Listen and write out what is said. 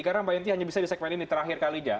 karena mbak yanti hanya bisa disekmen ini terakhir kali